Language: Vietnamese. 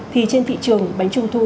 thì trên thị trường bánh trung thu